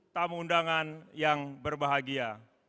tamu undangan yang berbahagia